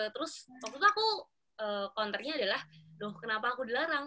terus maksud aku counternya adalah dong kenapa aku dilarang